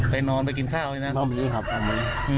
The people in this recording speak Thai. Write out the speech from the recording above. ไปนอนไปกินข้าวใช่ไหม